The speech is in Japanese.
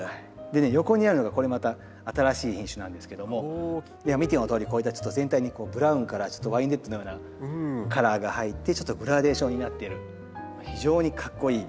でね横にあるのがこれまた新しい品種なんですけども見てのとおりこういった全体にブラウンからワインレッドのようなカラーが入ってちょっとグラデーションになっている非常にかっこいい。